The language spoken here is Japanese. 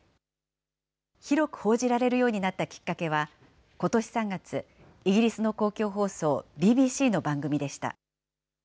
広く報じられるようになったきっかけは、ことし３月、イギリスの公共放送ＢＢＣの番組でした。